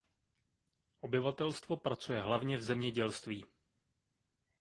Obyvatelstvo pracuje hlavně v zemědělství.